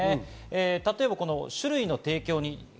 例えば酒類の提供。